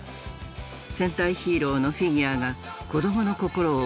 戦隊ヒーローのフィギュアが子どもの心をわしづかみ。